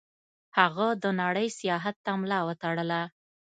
هغه د نړۍ سیاحت ته ملا وتړله.